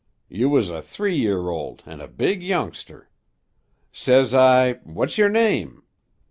You was a three year old an' a big youngster. Says I, 'What's yer name?'